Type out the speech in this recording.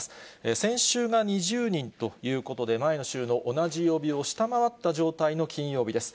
先週が２０人ということで、前の週の同じ曜日を下回った状態の金曜日です。